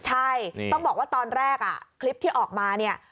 ใช่ต้องบอกว่าตอนแรกคลิปที่ออกมาเนี่ย